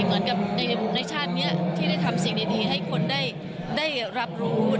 เหมือนกับในชาตินี้ที่ได้ทำสิ่งดีให้คนได้รับรู้